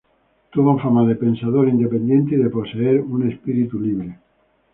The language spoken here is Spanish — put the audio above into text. Tuvo fama de pensador independiente y de poseer un espíritu libre.